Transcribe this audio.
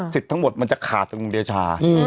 สิทธิ์ทั้งหมดมันจะขาดลุงเดชา